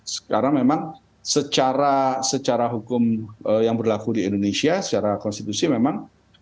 sekarang memang secara hukum yang berlaku di indonesia secara konstitusi memang